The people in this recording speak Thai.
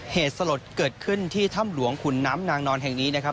เหตุสลดเกิดขึ้นที่ถ้ำหลวงขุนน้ำนางนอนแห่งนี้นะครับ